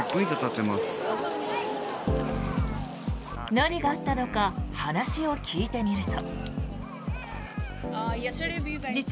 何があったのか話を聞いてみると。